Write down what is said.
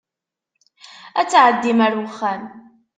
Ad tɛeddim ar wexxam.